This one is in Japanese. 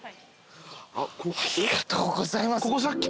ありがとうございます。